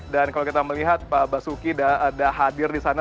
dan kalau kita melihat pak basuki ada hadir di sana